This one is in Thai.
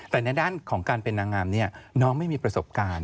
แต่ในด้านของการเป็นนางงามน้องไม่มีประสบการณ์